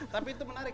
tapi itu menarik